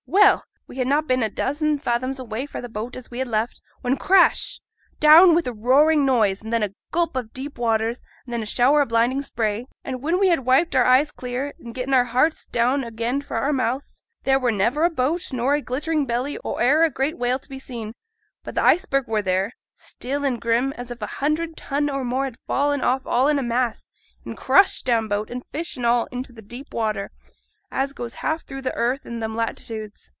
Well! we had na' been a dozen fathoms away fra' th' boat as we had left, when crash! down wi' a roaring noise, and then a gulp of the deep waters, and then a shower o' blinding spray; and when we had wiped our eyes clear, and getten our hearts down agen fra' our mouths, there were never a boat nor a glittering belly o' e'er a great whale to be seen; but th' iceberg were there, still and grim, as if a hundred ton or more had fallen off all in a mass, and crushed down boat, and fish, and all, into th' deep water, as goes half through the earth in them latitudes.